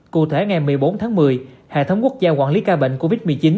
cụ thể ngày một mươi bốn tháng một mươi hệ thống quốc gia quản lý ca bệnh covid một mươi chín